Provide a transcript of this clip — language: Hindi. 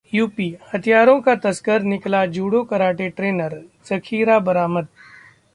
यूपीः हथियारों का तस्कर निकला जूडो कराटे ट्रेनर, जखीरा बरामद